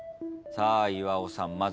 さあ岩尾さん